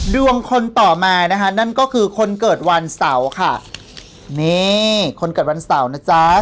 คนต่อมานะคะนั่นก็คือคนเกิดวันเสาร์ค่ะนี่คนเกิดวันเสาร์นะจ๊ะ